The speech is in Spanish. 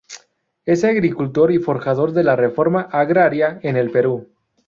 Es agricultor y forjador de la Reforma Agraria en el Perú.